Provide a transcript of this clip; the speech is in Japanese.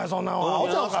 アホちゃうか」